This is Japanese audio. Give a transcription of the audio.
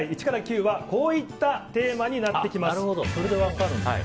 １から９はこういったテーマになっていきます。